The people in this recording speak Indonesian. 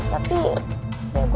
sepatching udah abis